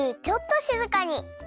ちょっとしずかに。